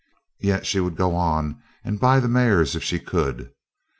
Yet she would go on and buy the mares if she could.